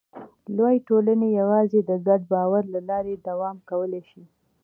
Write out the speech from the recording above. لویې ټولنې یواځې د ګډ باور له لارې دوام کولی شي.